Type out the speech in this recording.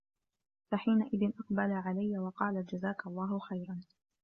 فَحِينَئِذٍ أَقْبَلَ عَلَيَّ وَقَالَ جَزَاك اللَّهُ خَيْرًا